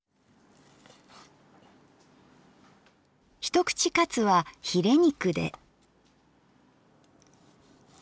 一口かつはヒレ肉で。